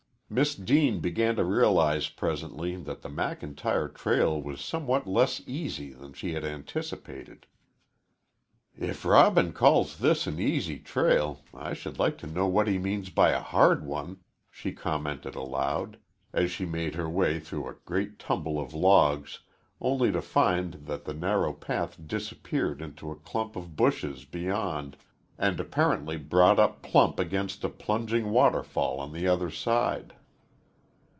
Miss Deane began to realize presently that the McIntyre trail was somewhat less easy than she had anticipated. "If Robin calls this an easy trail, I should like to know what he means by a hard one," she commented aloud, as she made her way through a great tumble of logs only to find that the narrow path disappeared into a clump of bushes beyond and apparently brought up plump against a plunging waterfall on the other side.